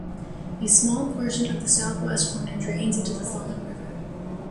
A small portion of the southwest corner drains into the Fawn River.